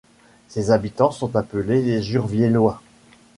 Ses habitants sont appelés les Jurviellois.